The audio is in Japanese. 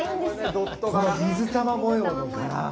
この水玉模様の柄。